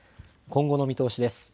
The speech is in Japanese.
今後の見通しです。